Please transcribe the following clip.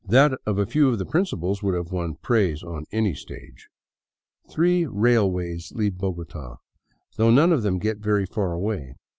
That of a few of the principals would have won praise on any stage. Three railways leave Bogota, though none of them gets very far away.